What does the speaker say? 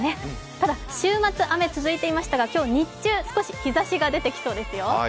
ただ、週末、雨が続いていましたが、今日日中少し日ざしが出てきそうですよ。